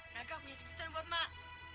daka punya kejutan buat mak